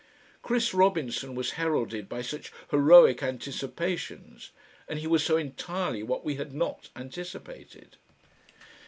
Chris Robinson was heralded by such heroic anticipations, and he was so entirely what we had not anticipated.